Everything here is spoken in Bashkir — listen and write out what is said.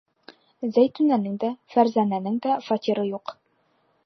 Зәйтүнәнең дә, Фәрзәнәнең дә фатиры юҡ.